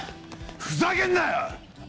ふざけんなよ！